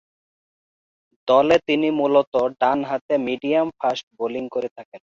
দলে তিনি মূলতঃ ডানহাতে মিডিয়াম ফাস্ট বোলিং করে থাকেন।